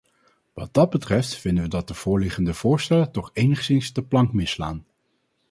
Wat dat betreft vinden we dat de voorliggende voorstellen toch enigszins de plank misslaan.